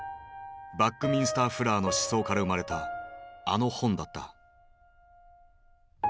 バックミンスター・フラーの思想から生まれたあの本だった。